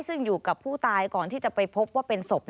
ซึ่งอยู่กับผู้ตายก่อนที่จะไปพบว่าเป็นศพ